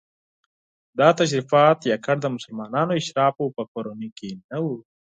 دا تشریفات یوازې د مسلمانو اشرافو په کورنیو کې نه وو.